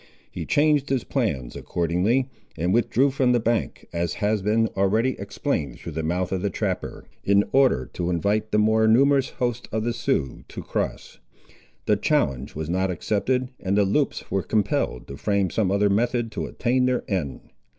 He changed his plans, accordingly, and withdrew from the bank, as has been already explained through the mouth of the trapper, in order to invite the more numerous host of the Siouxes to cross. The challenge was not accepted, and the Loups were compelled to frame some other method to attain their end.